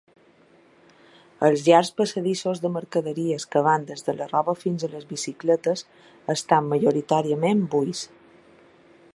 Els llargs passadissos de mercaderies que van des de la roba fins a les bicicletes estan majoritàriament buits.